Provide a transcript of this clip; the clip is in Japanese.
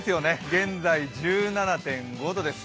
現在１７．５度です。